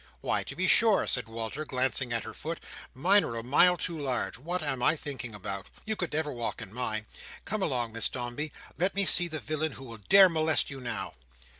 "Why, to be sure," said Walter, glancing at her foot, "mine are a mile too large. What am I thinking about! You never could walk in mine! Come along, Miss Dombey. Let me see the villain who will dare molest you now."